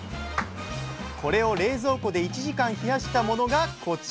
これを冷蔵庫で１時間冷やしたものがこちら。